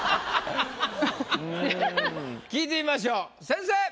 聞いてみましょう先生！